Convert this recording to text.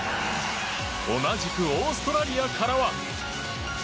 同じくオーストラリアからは。